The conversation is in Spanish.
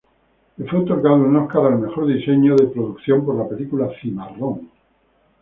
Le fue otorgado un Óscar al Mejor diseño de producción por la película Cimarrón.